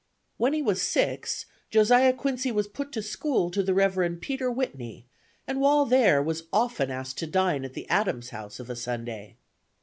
When he was six, Josiah Quincy was put to school to the Reverend Peter Whitney, and, while there, was often asked to dine at the Adams house of a Sunday.